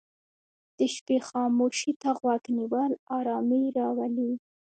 د شپې خاموشي ته غوږ نیول آرامي راولي.